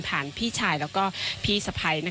ผ่านพี่ชายแล้วก็พี่สะพัย